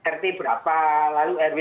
rt berapa lalu rw